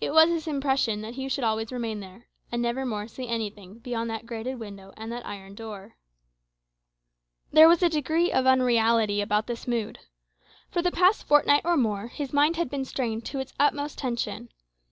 It was his impression that he should always remain there, and never more see anything beyond that grated window and that iron door. There was a degree of unreality about this mood. For the past fortnight, or more, his mind had been strained to its utmost tension.